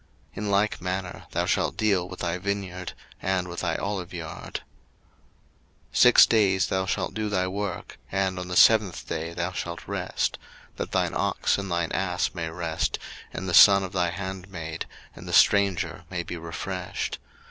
In like manner thou shalt deal with thy vineyard, and with thy oliveyard. 02:023:012 Six days thou shalt do thy work, and on the seventh day thou shalt rest: that thine ox and thine ass may rest, and the son of thy handmaid, and the stranger, may be refreshed.